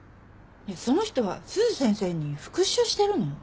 その人は鈴先生に復讐してるの？